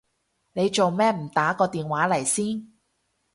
你做咩唔打個電話嚟先？